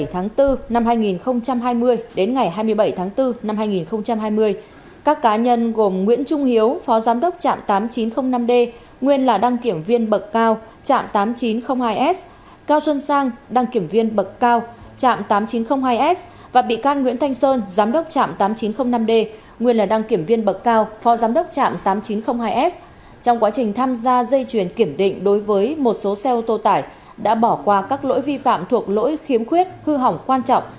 hương yên kiểm định đối với một số xe ô tô tải đã bỏ qua các lỗi vi phạm thuộc lỗi khiếm khuyết hư hỏng quan trọng